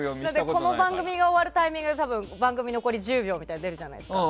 この番組が終わるタイミングで番組残り１０秒みたいなのが出るじゃないですか。